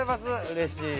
うれしい。